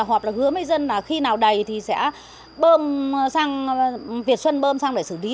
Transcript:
hoặc là hứa mấy dân là khi nào đầy thì sẽ việt xuân bơm sang để xử lý